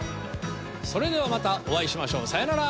それではまたお会いしましょう。さようなら。